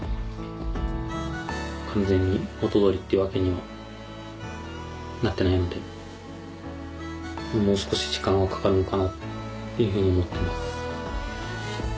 完全に元通りっていうわけにはなってないのでもう少し時間はかかるのかなっていうふうに思ってます。